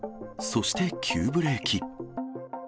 そして急ブレーキ。